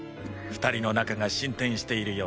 ２人の仲が進展しているようで。